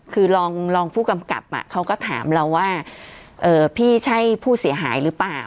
คือรองผู้กำกับเขาก็ถามเราว่าพี่ใช่ผู้เสียหายหรือเปล่า